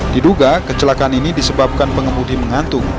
diduga kecelakaan ini disebabkan pengemudi mengantuk